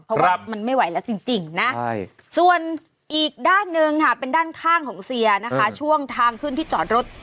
เพราะว่ามันไม่ไหวแล้วจริงนะส่วนอีกด้านหนึ่งค่ะเป็นด้านข้างของเสียนะคะช่วงทางขึ้นที่จอดรถ